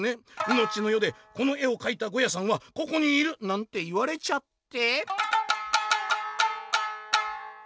のちのよでこの絵を描いたゴヤさんはここにいる！なんて言われちゃって」。